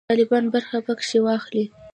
طالبان برخه پکښې واخلي.